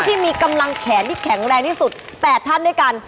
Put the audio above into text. ที่มีกำลังแขนที่แข็งแรงที่สุด๘ท่านด้วยกัน